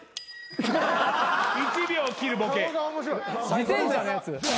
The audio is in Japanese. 自転車のやつ？